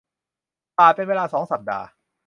บาทเป็นเวลา สอง สัปดาห์